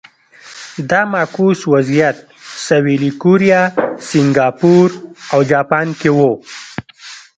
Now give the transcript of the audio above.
دا معکوس وضعیت سویلي کوریا، سینګاپور او جاپان کې و.